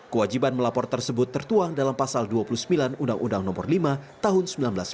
kewajiban melapor tersebut tertuang dalam pasal dua puluh sembilan undang undang no lima tahun seribu sembilan ratus sembilan puluh